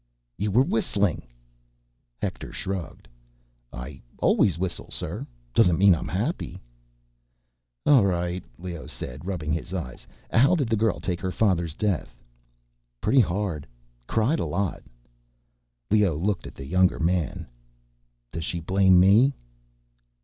"You were whistling." Hector shrugged. "I always whistle, sir. Doesn't mean I'm happy." "All right," Leoh said, rubbing his eyes. "How did the girl take her father's death?" "Pretty hard. Cried a lot." Leoh looked at the younger man. "Does she blame ... me?"